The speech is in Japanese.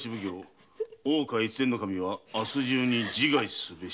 越前守は明日中に自害すべし」